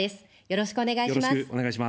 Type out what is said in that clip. よろしくお願いします。